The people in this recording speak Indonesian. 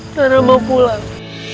rara mau pulang